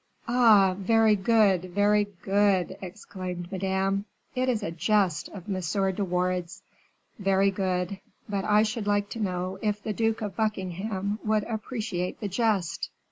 "Ah! very good, very good!" exclaimed Madame. "It is a jest of M. de Wardes's. Very good; but I should like to know if the Duke of Buckingham would appreciate the jest.